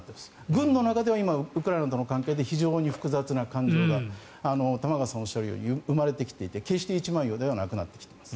軍の中では今、ウクライナとの関係で非常に複雑な環境が玉川さんがおっしゃるように生まれてきていて決して一枚岩ではなくなってきています。